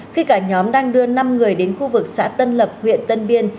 khi cả nhóm đang đưa năm người đến khu vực xã tân lập huyện tân biên